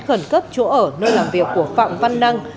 khẩn cấp chỗ ở nơi làm việc của phạm văn năng